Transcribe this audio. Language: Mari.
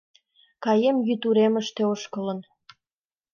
Каем йӱд уремыште ошкылын